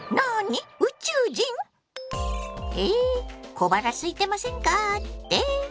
小腹すいてませんかって？